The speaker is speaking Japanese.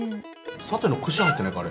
サテの串入ってないか？